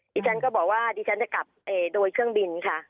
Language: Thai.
ฉันก็บอกว่าดิฉันจะกลับโดยเครื่องบินค่ะ